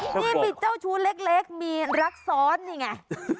นี่มีเจ้าชู้เล็กมีรักซ้อนนี่ไง